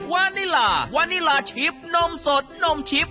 วานิลาวานิลาชิปนมสดนมชิป